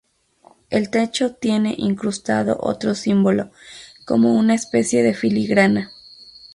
El techo tiene incrustado otro símbolo, como una especie de filigrana.